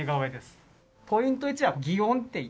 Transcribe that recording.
ポイント１は擬音っていって。